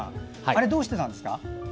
あれはどうしてなんですか？